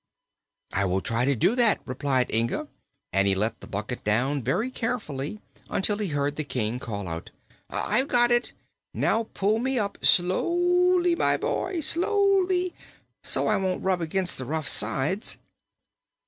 "I will try to do that," replied Inga, and he let the bucket down very carefully until he heard the King call out: "I've got it! Now pull me up slowly, my boy, slowly so I won't rub against the rough sides."